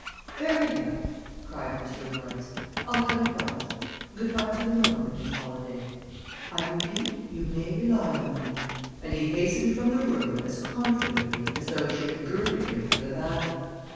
"Very well," cried Mr. Royce. "I'll come at once. Good by for the moment, Miss Holladay. I repeat, you may rely on me," and he hastened from the room as confidently as though she had girded him for the battle.